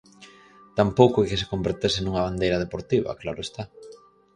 Tampouco é que se convertese nunha bandeira deportiva, claro está.